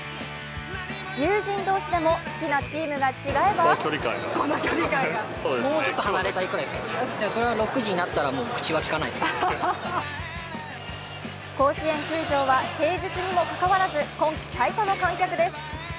友人同士でも好きなチームが違えば甲子園球場は平日にもかかわらず今季最多の観客です。